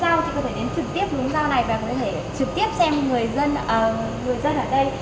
chị có thể đến trực tiếp ngúng rau này và có thể trực tiếp xem người dân ở đây